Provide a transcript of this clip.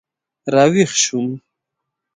را ویښ شوم.